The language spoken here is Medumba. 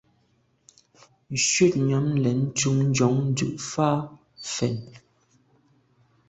Shutnyàm lem ntùm njon dù’ fa fèn.